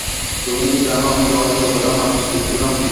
তুমি কি জানো আমি তোমাকে কতটা মারতে চেয়েছিলাম?